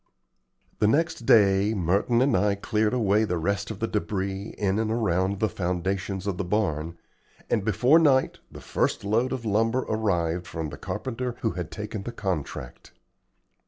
The next day Merton and I cleared away the rest of the debris in and around the foundations of the barn, and before night the first load of lumber arrived from the carpenter who had taken the contract.